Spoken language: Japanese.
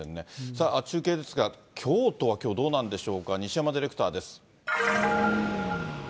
さあ、京都はきょう、どうなんでしょうか、西山ディレクターです。